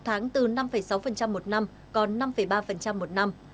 sáu tháng từ năm sáu một năm còn năm ba một năm